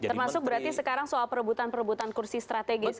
termasuk berarti sekarang soal perebutan perebutan kursi strategis